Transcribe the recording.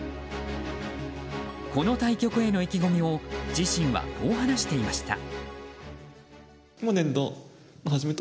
この対局への意気込みを自身はこう話していました。